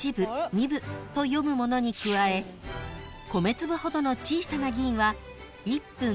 ［と読むものに加え米粒ほどの小さな銀は「いっぷん」